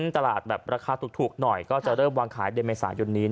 ตลาดแบบราคาถูกหน่อยก็จะเริ่มวางขายเดือนเมษายนนี้